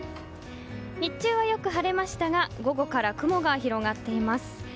日中はよく晴れましたが午後から雲が広がっています。